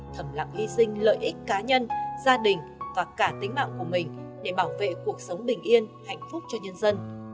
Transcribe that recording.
thẩm lặng hy sinh lợi ích cá nhân gia đình và cả tính mạng của mình để bảo vệ cuộc sống bình yên hạnh phúc cho nhân dân